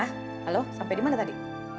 halo sampai dimana tadi